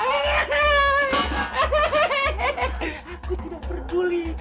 aku tidak peduli